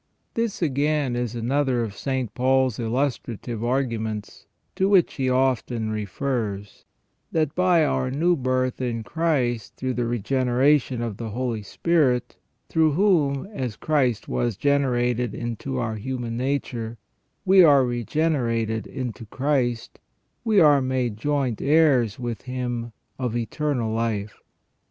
This, again, is another of St. Paul's illustrative arguments, to which he often refers, that by our new birth in Christ through the regeneration of the Holy Spirit, through whom, as Christ was generated into our human nature, we are regenerated into Christ, we are made joint heirs with Him of eternal life.